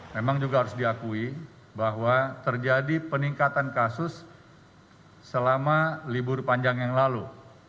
memang juga harus diakui bahwa terjadi peningkatan kasus selama libur panjang yang lalu